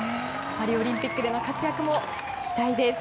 パリオリンピックでの活躍も期待です。